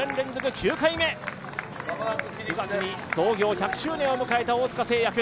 ９月に創業１００周年を迎えた大塚製薬。